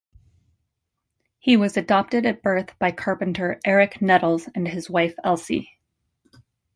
He was adopted at birth by carpenter Eric Nettles and his wife Elsie.